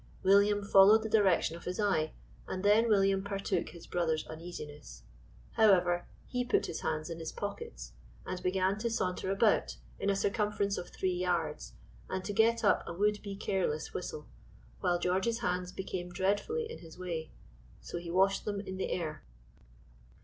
William followed the direction of his eye, and then William partook his brother's uneasiness; however, he put his hands in his pockets, and began to saunter about, in a circumference of three yards, and to get up a would be careless whistle, while George's hands became dreadfully in his way, so he washed them in the air.